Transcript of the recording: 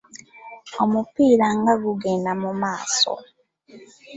Omupiira nga gugenda mu maaso.